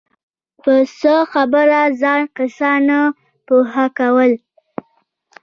په څۀ خبره ځان قصداً نۀ پوهه كول